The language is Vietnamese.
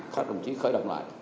các đồng chí khởi động lại